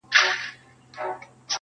دېوالونه سوري كول كله كمال دئ.!